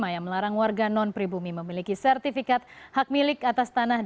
yang melarang warga non pribumi memiliki sertifikat hak milik atas tanah